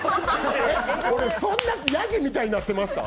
俺、そんなヤジみたいになってました？